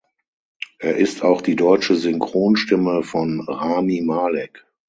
Er ist auch die deutsche Synchronstimme von Rami Malek.